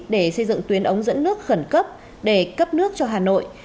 để xây dựng tuyến ống dẫn nước khẩn cấp để cấp nước cho hà nội